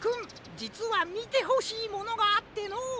じつはみてほしいものがあってのう。